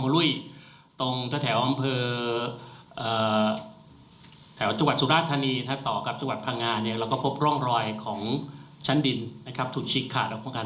แล้วก็พบร่องรอยของชั้นดินถูกชิกขาดออกมากัน